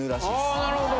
あなるほど。